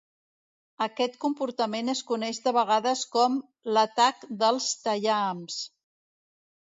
Aquest comportament es coneix de vegades com "l'atac dels tallahams".